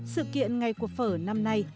sự kiện ngày của phở năm nay